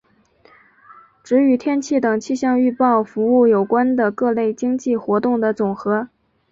指与天气等气象预报服务有关的各类经济活动的总和。